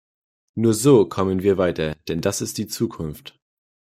Nur so kommen wir weiter, denn das ist die Zukunft.